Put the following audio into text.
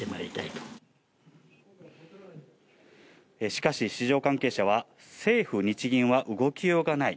しかし市場関係者は政府、日銀は動きようがない。